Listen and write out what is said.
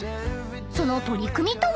［その取り組みとは？］